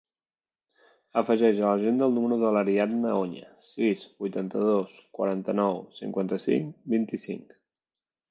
Afegeix a l'agenda el número de l'Ariadna Oña: sis, vuitanta-dos, quaranta-nou, cinquanta-cinc, vint-i-cinc.